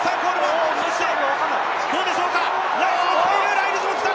ライルズも来た！